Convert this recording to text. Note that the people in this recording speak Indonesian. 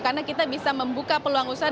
karena kita bisa membuka peluang usaha